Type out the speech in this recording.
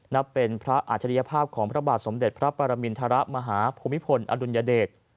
นับเป็นพระอัจฉริยภาพของพระบาทสมเด็จพระปรมินทรมาฮภูมิพลอดุลยเดช